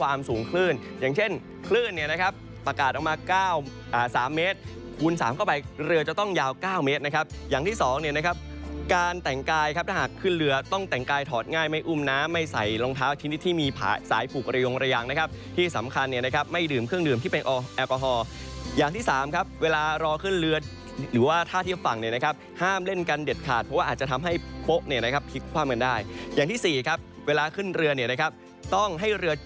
ความสูงคลื่นอย่างเช่นคลื่นเนี่ยนะครับประกาศออกมา๓เมตรคูณ๓ก็ไปเรือจะต้องยาว๙เมตรนะครับอย่างที่๒เนี่ยนะครับการแต่งกายครับถ้าหากขึ้นเรือต้องแต่งกายถอดง่ายไม่อุ้มน้ำไม่ใส่รองเท้าชิ้นที่มีสายผูกอะไรอย่างนะครับที่สำคัญเนี่ยนะครับไม่ดื่มเครื่องดื่มที่เป็นแอลกอฮอล์อย่างที่๓ครับเวลารอขึ้